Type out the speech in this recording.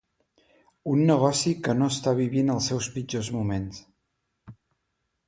Un negoci que no està vivint els seus pitjors moments.